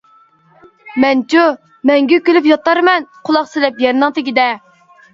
مەنچۇ، مەڭگۈ كۈلۈپ ياتارمەن، قۇلاق سېلىپ يەرنىڭ تېگىدە.